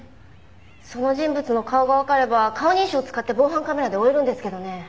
その人物の顔がわかれば顔認証使って防犯カメラで追えるんですけどね。